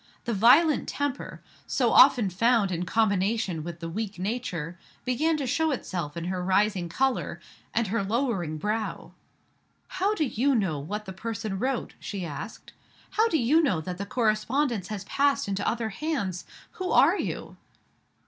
The violent temper, so often found in combination with the weak nature, began to show itself in her rising color, and her lowering brow. "How do you know what the person wrote?" she asked. "How do you know that the correspondence has passed into other hands? Who are you?"